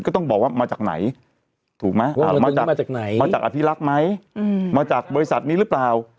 ก็ต้องบอกว่ามาจากไหนถูกไหมมาจากไหนมาจากอภิรักษ์ไหมมาจากบริษัทนี้หรือเปล่า